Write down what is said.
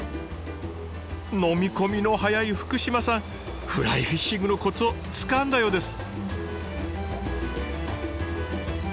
飲み込みの早い福島さんフライフィッシングのコツをつかんだようです。